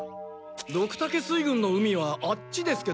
ドクタケ水軍の海はあっちですけど。